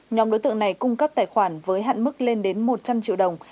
nhóm đối tượng này cung cấp tài khoản với hạn mức lên đến một trăm linh triệu đồng